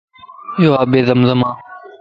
يو آبِ زم زمَ